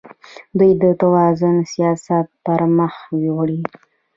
دوی د توازن سیاست پرمخ وړي.